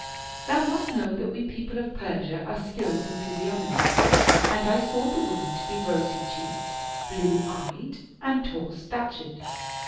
Thou must know that we people of Persia are skilled in physiognomy, and I saw the woman to be rosy cheeked, blue eyed, and tall stat ured.